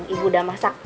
ibu udah masak